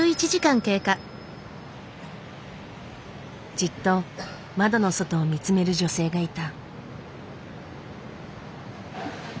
じっと窓の外を見つめる女性がいた。